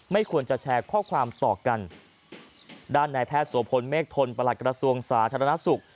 ไม่ควรจะแชร์ข้อความต่อกันด้านในแพทย์สวพลเมฆทนประหลัดกระทรวงสาธารณสุข